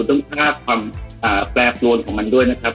ต้องทราบความแปรปรวนของมันด้วยนะครับ